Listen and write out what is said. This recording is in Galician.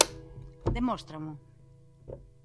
Demóstramo.